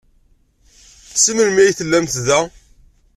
Seg melmi ay tellam da?